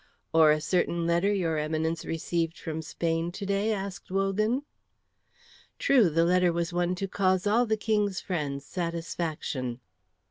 "Or a certain letter your Eminence received from Spain to day?" asked Wogan. "True, the letter was one to cause all the King's friends satisfaction."